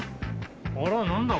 あら何だ？